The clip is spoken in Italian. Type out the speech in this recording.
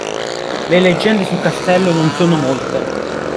Le leggende sul castello non sono molte.